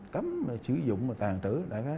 cấm sử dụng và tàn trữ